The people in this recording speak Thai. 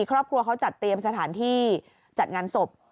ครอบครัวเขาจัดเตรียมสถานที่จัดงานศพ